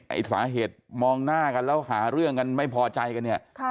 ไอ้สาเหตุมองหน้ากันแล้วหาเรื่องกันไม่พอใจกันเนี่ย